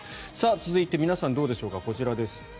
続いて皆さん、どうでしょうかこちらです。